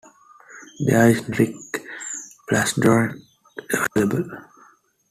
There is no generic Faslodex available.